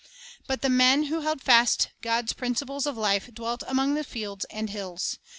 But the men who held fast God's principles of life dwelt among the fields and hills.